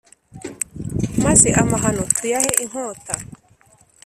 maze amahano tuyahe inkota